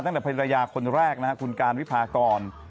ตั้งแต่ภรรยาคนแรกนะครับคุณการวิพากร